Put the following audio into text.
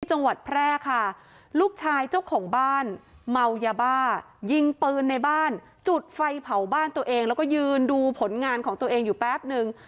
จังหวัดแพร่ค่ะลูกชายเจ้าของบ้านเมายาบ้ายิงปืนในบ้านจุดไฟเผาบ้านตัวเองแล้วก็ยืนดูผลงานของตัวเองอยู่แป๊บนึง